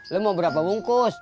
lo mau berapa bungkus